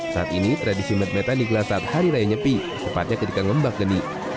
saat ini tradisi medmetan digelar saat hari raya nyepi tepatnya ketika ngembak geni